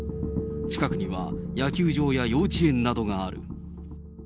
近くには野球場や幼稚園などがある。